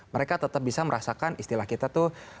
mereka tetap bisa merasakan istilah kita tuh